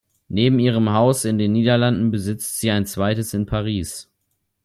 Neben ihrem Haus in den Niederlanden besitzt sie ein zweites in Paris.